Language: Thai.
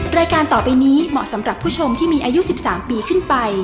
รายการต่อไปนี้เหมาะสำหรับผู้ชมที่มีอายุ๑๓ปีขึ้นไป